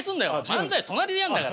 漫才は隣でやんだから！